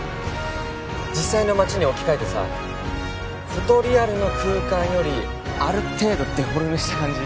実際の町に置き換えてさフォトリアルの空間よりある程度デフォルメした感じ？